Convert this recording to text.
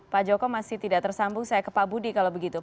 pak joko masih tidak tersambung saya ke pak budi kalau begitu